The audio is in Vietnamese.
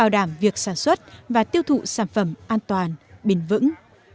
làm việc sản xuất và tiêu thụ sản phẩm an toàn bình vững